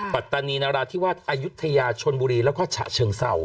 ปัตตานีนราธิวาสอายุทยาชนบุรีแล้วก็ฉะเชิงเศร้า